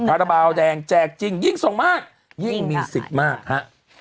คาราบาลแดงแจกจริงยิ่งส่งมากยิ่งมีสิทธิ์มากฮะ